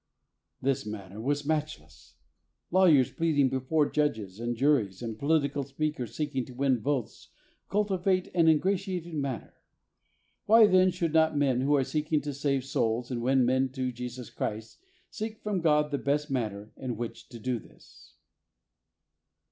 His manner was matchless. Lawyers plead ing before judges and juries, and political speakers seeking to win votes cultivate an ingratiating manner. Why, then, should not men who are seeking to save souls and win men to Jesus Christ seek from God the best manner in which to do this?